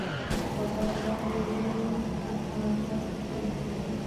په بار بار یې وویل چې پاتې شو.